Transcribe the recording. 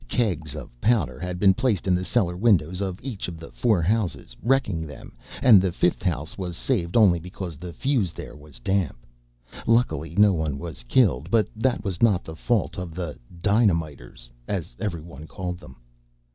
Kegs of powder had been placed in the cellar windows of each of the four houses, wrecking them, and the fifth house was saved only because the fuse there was damp. Luckily no one was killed, but that was not the fault of the "dynamiters," as every one called them.